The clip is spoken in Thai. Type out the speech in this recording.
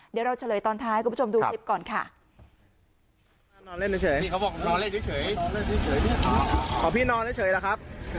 เดี๋ยวเราเฉลยตอนท้ายให้คุณผู้ชมดูคลิปก่อนค่ะ